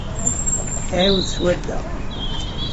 Ɛiwed swadda.